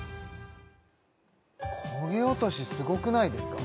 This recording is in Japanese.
コゲおとしすごくないですか